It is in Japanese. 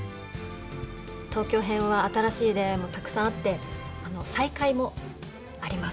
東京編は新しい出会いもたくさんあって再会もあります。